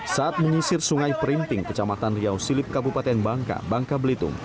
saat menyisir sungai perinting kecamatan riau silip kabupaten bangka bangka belitung